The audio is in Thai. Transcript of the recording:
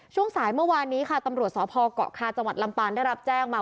ช่วงสายเมื่อวานนี้ค่ะตำรวจสพเกาะคาจังหวัดลำปางได้รับแจ้งมา